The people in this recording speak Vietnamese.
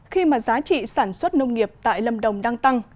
khi mà giá trị sản xuất nông nghiệp tại lâm đồng đang tăng